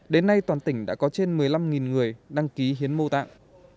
đến nay toàn tỉnh đã có trên một mươi năm người đăng ký hiến mô tạng